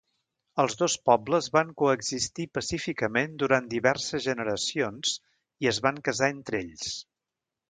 Els dos pobles van coexistir pacíficament durant diverses generacions i es van casar entre ells.